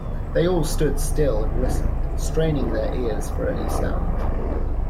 They all stood still and listened, straining their ears for any sound.